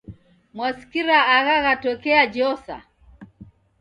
Mwasikira agha ghatokea Josa?